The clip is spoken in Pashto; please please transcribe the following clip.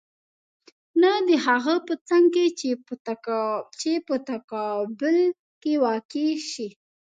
نه د هغه په څنګ کې چې په تقابل کې واقع شي.